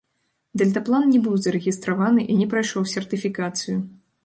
Дэльтаплан не быў зарэгістраваны і не прайшоў сертыфікацыю.